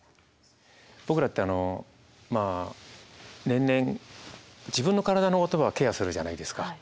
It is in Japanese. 僕らってあのまあ年々自分の体のことはケアするじゃないですか。